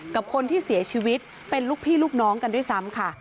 กับคนที่เสียชีวิตเป็นลูกพี่ลูกน้องกันด้วยซ้ำค่ะ